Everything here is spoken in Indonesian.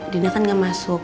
dina kan gak masuk